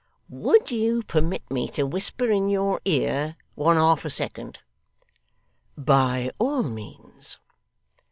Would you permit me to whisper in your ear, one half a second?' 'By all means.